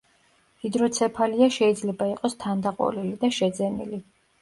ჰიდროცეფალია შეიძლება იყოს თანდაყოლილი და შეძენილი.